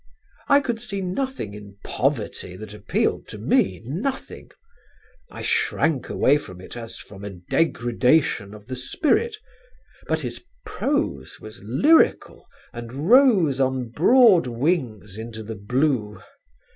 I could see nothing in poverty that appealed to me, nothing; I shrank away from it as from a degradation of the spirit; but his prose was lyrical and rose on broad wings into the blue.